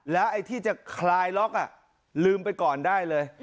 แล้วไอ้ที่จะคลายล็อกลืมไปก่อนได้เลย